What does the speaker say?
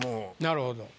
なるほど。